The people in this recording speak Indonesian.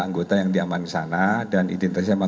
anggota yang diamanin sana dan identitasnya